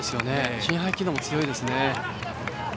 心肺機能も強いですね。